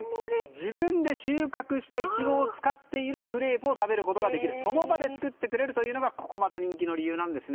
自分で収穫したイチゴを使っているクレープを食べることができるその場で作ってくれるというのがまた人気の理由なんですね。